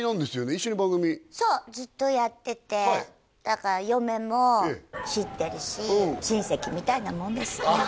一緒に番組そうずっとやっててだから嫁も知ってるし親戚みたいなもんですあ